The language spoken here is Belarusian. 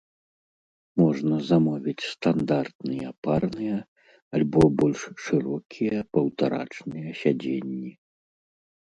Можна замовіць стандартныя парныя, альбо больш шырокія паўтарачныя сядзенні.